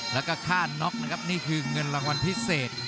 แล้วก็ค่าน็อกนะครับนี่คือเงินรางวัลพิเศษ